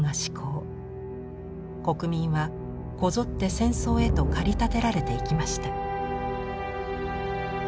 国民はこぞって戦争へと駆り立てられていきました。